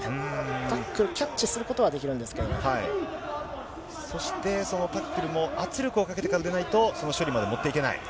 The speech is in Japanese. タックル、キャッチすることはでそして、そのタックルも、圧力をかけてからでないと、その処理まで持っていけない？